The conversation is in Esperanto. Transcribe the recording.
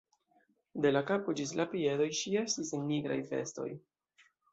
De la kapo ĝis la piedoj ŝi estis en nigraj vestoj.